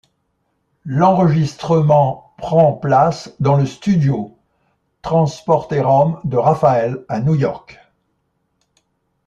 L'enregistrement prend place dans le studio Transporterraum de Raphael, à New-York.